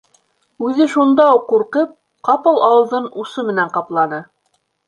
Үҙе шунда уҡ ҡурҡып, ҡапыл ауыҙын усы менән ҡапланы.